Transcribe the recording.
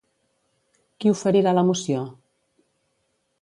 Qui oferirà la moció?